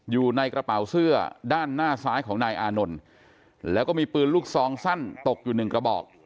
อยู่ในกระเป๋าเสื้อด้านหน้าซ้ายของนายอานนท์แล้วก็มีปืนลูกซองสั้นตกอยู่หนึ่งกระบอก